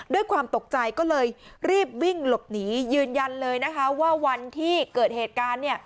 ด้วยความตกใจก็เลยรีบวิ่งหลบหนียืนยันเลยนะคะว่าวันที่เกิดเหตุการณ์เนี่ย